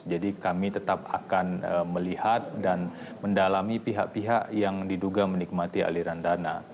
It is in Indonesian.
jadi kami tetap akan melihat dan mendalami pihak pihak yang diduga menikmati aliran dana